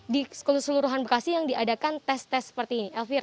di seluruhan bekasi yang diadakan tes tes seperti ini elvira